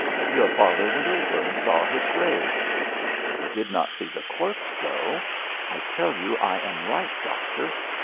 Your father went over and saw his grave!' 'He did not see the corpse, though. I tell you I am right, doctor.